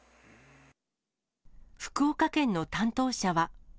福岡県の担当者は。